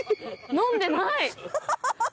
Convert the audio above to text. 飲んでない！